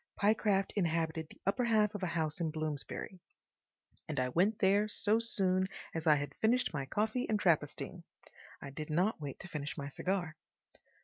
Pyecraft inhabited the upper half of a house in Bloomsbury, and I went there so soon as I had done my coffee and Trappistine. I did not wait to finish my cigar.